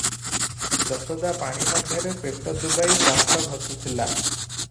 ଯଶୋଦା ପାଣି ମଧ୍ୟରେ ପେଟ ଡୁବାଇ ଦାନ୍ତ ଘଷୁଥିଲା ।